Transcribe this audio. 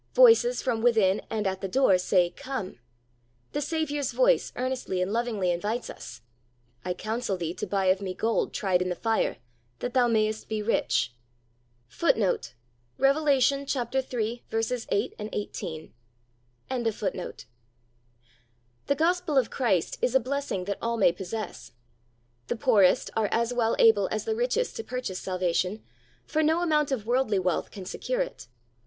Voices from within and at the door say, Come. The Saviour's voice earnestly and lovingly invites us: "I counsel thee to buy of Me gold tried in the fire, that thou may est be rich."^ The gospel of Christ is a blessing that all may possess. The poorest are as well able as the richest to purchase salvation; for no amount of worldly wealth can secure it.